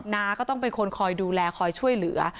น้าก็ต้องเป็นคนคอยดูแลคอยช่วยเหลือ